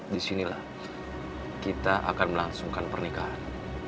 di sini lah kita akan melangsungkan pernikahan